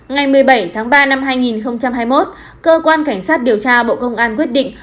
ngày một mươi bảy tháng ba năm hai nghìn hai mươi một cơ quan cảnh sát điều tra bộ công an quyết định